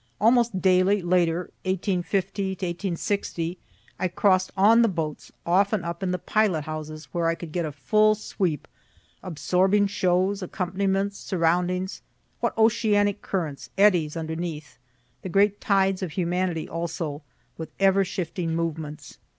Almost daily, later, ('50 to '60,) I cross'd on the boats, often up in the pilot houses where I could get a full sweep, absorbing shows, accompaniments, surroundings. What oceanic currents, eddies, underneath the great tides of humanity also, with ever shifting movements.